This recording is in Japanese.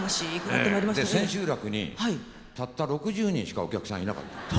千秋楽にたった６０人しかお客さんいなかったんです。